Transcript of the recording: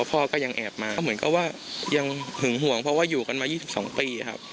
เพราะว่าอยู่กันมา๒๒ปีครับ